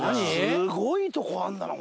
すごいとこあんだなぁ